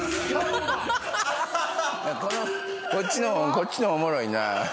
⁉こっちのおもろいな。